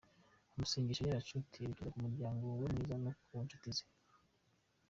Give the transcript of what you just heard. Amasengesho yacu tuyerekeje ku muryango we mwiza no ku nshuti ze.